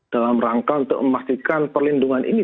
dalam rangka untuk memastikan perlindungan ini